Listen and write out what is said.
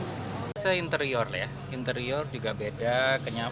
bisa interior ya interior juga beda